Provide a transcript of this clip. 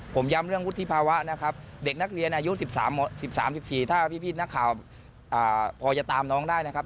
ผมย้ำเรื่องวุฒิภาวะนะครับเด็กนักเรียนอายุ๑๓๑๔ถ้าพี่นักข่าวพอจะตามน้องได้นะครับ